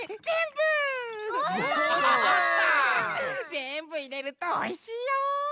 ぜんぶいれるとおいしいよ！